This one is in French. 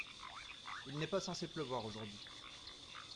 Il n’est pas censé pleuvoir aujourd’hui.